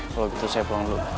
kalau gitu saya pulang dulu